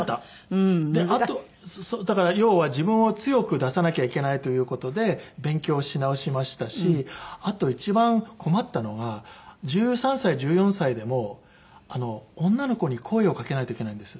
あとだから要は自分を強く出さなきゃいけないという事で勉強し直しましたしあと一番困ったのが１３歳１４歳でも女の子に声を掛けないといけないんです。